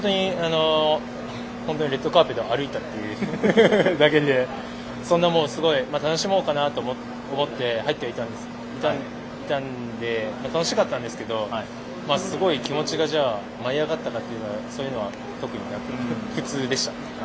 本当にレッドカーペットを歩いたというだけで楽しもうかと思って入ってはいたんで楽しかったんですけどすごい気持ちがじゃあ舞い上がったかというのはそういうのは特になく普通でした。